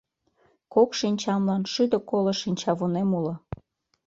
Кок шинчамлан шӱдӧ коло шинчавунем уло